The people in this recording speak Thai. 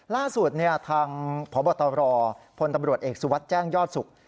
ล่าสุดทางพบตรพลตำรวจเอกสุวัสดิ์แจ้งยอดสุข